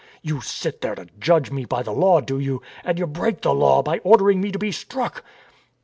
You sit there to judge me by the Law, do you ? And you break the Law by ordering me to be struck